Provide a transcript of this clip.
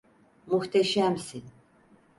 Muhteşemsin!